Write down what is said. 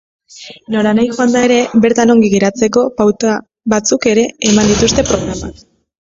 Noranahi joanda ere bertan ongi geratzeko pauta batzuk ere eman dituzte programan.